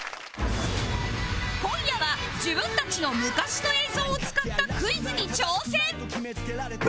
今夜は自分たちの昔の映像を使ったクイズに挑戦